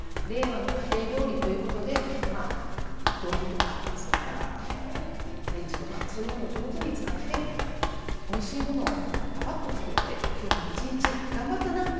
令和の家庭料理ということで道具とかそれからレンジとかそういうものを上手に使っておいしいものをパパッと作って今日も一日頑張ったな